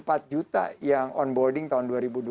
empat juta yang onboarding tahun dua ribu dua puluh